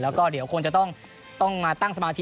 แล้วก็เดี๋ยวคงจะต้องมาตั้งสมาธิ